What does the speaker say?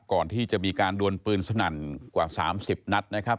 ก่อนที่จะมีการดวนปืนสนั่นกว่า๓๐นัดนะครับ